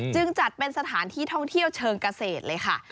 จัดเป็นสถานที่ท่องเที่ยวเชิงเกษตรเลยค่ะ